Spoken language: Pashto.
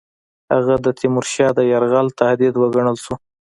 هغه د تیمورشاه د یرغل تهدید وګڼل شو.